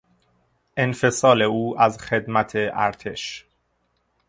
انفصال او از خدمت ارتش